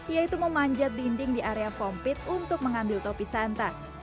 yaitu memanjat dinding di area foam pit untuk mengambil topi santan